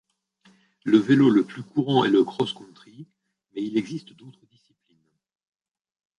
Le vélo le plus courant est le cross-country mais il existe d'autres disciplines.